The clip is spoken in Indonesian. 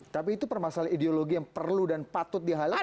tapi itu permasalah ideologi yang perlu dan patut dihalat atau